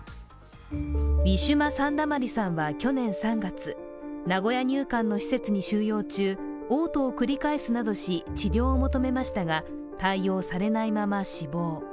ウィシュマ・サンダマリさんは去年３月、名古屋入管の施設に収容中、おう吐を繰り返すなどし治療を求めましたが、対応されないまま死亡。